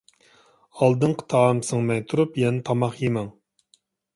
ئالدىنقى تائام سىڭمەي تۇرۇپ يەنە تاماق يېمەڭ.